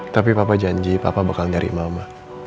tapi papa janji papa bakal nyari mama